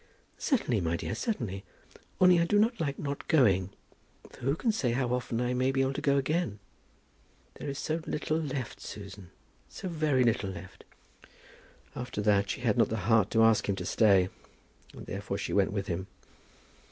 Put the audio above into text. "Certainly, my dear, certainly. Only I do not like not going; for who can say how often I may be able to go again? There is so little left, Susan, so very little left." After that she had not the heart to ask him to stay, and therefore she went with him.